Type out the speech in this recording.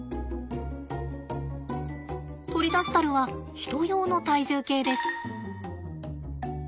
取り出したるはヒト用の体重計です。